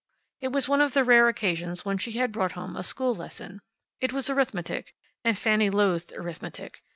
It was one of the rare occasions when she had brought home a school lesson. It was arithmetic, and Fanny loathed arithmetic.